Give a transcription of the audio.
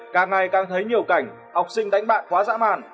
càng ngày càng thấy nhiều cảnh học sinh đánh bạn quá dã man